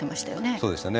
そうでしたね。